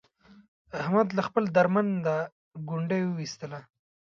احمد له خپل درمند نه ګونډی و ایستلا.